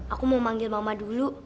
aku mau manggil mama dulu